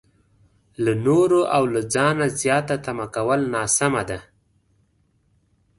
له نورو او له ځانه زياته تمه کول ناسمه ده.